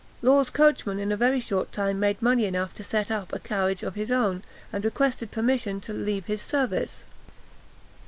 Law's coachman in a very short time made money enough to set up a carriage of his own, and requested permission to leave his service.